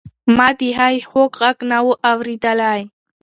ما د هغې خوږ غږ نه و اورېدلی.